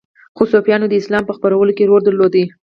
خو صوفیانو د اسلام په خپرولو کې رول درلود